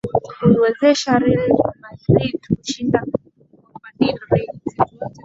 kuiwezesha Real Madrid kushinda Copa Del rey